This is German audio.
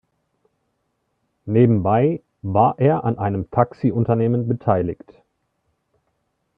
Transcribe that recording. Nebenbei war er an einem Taxi-Unternehmen beteiligt.